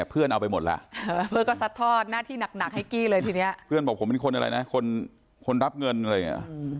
เพื่อนบอกผมเป็นคนอะไรนะคนรับเงินอะไรอย่างเงี้ย